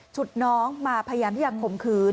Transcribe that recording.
ฉุดน้องมาพยายามที่อยากผมคืน